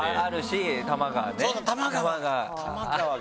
多摩川が！